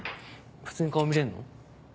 普通に顔見れんの？